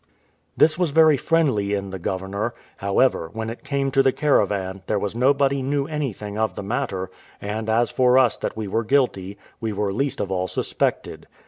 This was very friendly in the governor; however, when it came to the caravan, there was nobody knew anything of the matter; and as for us that were guilty, we were least of all suspected.